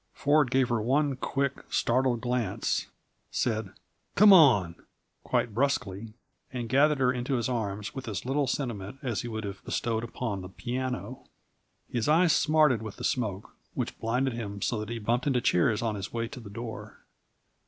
Ford gave her one quick, startled glance, said "Come on," quite brusquely, and gathered her into his arms with as little sentiment as he would have bestowed upon the piano. His eyes smarted with the smoke, which blinded him so that he bumped into chairs on his way to the door.